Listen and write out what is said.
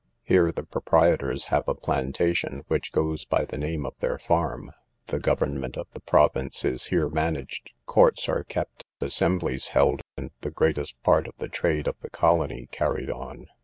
Here the proprietors have a plantation, which goes by the name of their farm. The government of the province is here managed, courts are kept, assemblies held, and the greatest part of the trade of the colony carried on.